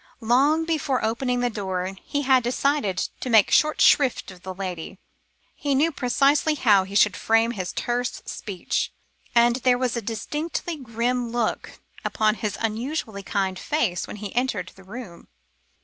Long before opening the door, he had decided to make short shrift of the lady he knew precisely how he should frame his terse speech and there was a distinctly grim look upon his usually kindly face, when he entered the room.